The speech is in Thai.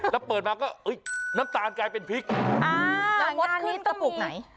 แล้วเปิดมาก็น้ำตาลกลายเป็นพริกอ่าแล้วมดพริกกระปุกไหน